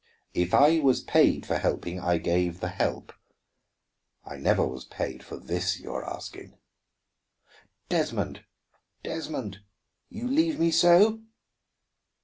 If I was paid for helping, I gave the help. I never was paid for this you are asking." "Desmond, Desmond, you leave me so!"